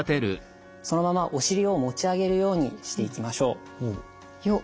そのままお尻を持ち上げるようにしていきましょう。よ。